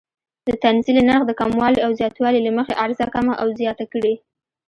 د تنزیل نرخ د کموالي او زیاتوالي له مخې عرضه کمه او زیاته کړي.